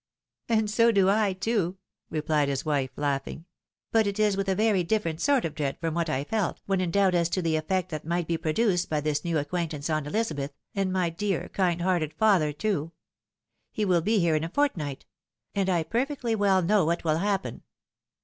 " And so do I too," replied his wife, laughing ;" but it is with a very different sort of dread from what I felt, when in doubt as to the effect that might be produced by this new ac quaintance on Elizabeth, and my dear, kind hearted father, too ! He will be here in a fortnight. And I perfectly weU know what will happen.